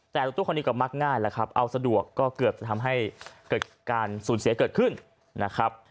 แต่รถตู้คันนี้ก็มักง่ายแล้วครับเอาสะดวกก็เกือบจะทำให้เกิดการสูญเสียเกิดขึ้นนะครับ